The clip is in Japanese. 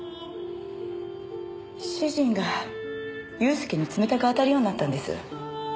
主人が祐介に冷たく当たるようになったんです。